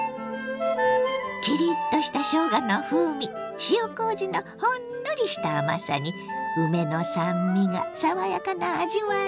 キリッとしたしょうがの風味塩こうじのほんのりした甘さに梅の酸味が爽やかな味わい。